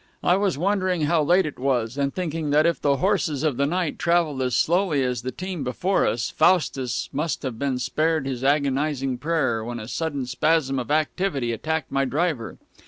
I was wondering how late it was, and thinking that if the horses of the night traveled as slowly as the team before us, Faustus might have been spared his agonizing prayer, when a sudden spasm of activity attacked my driver.